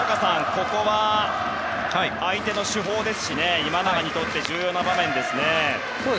ここは、相手の主砲ですし今永にとって重要な場面ですね。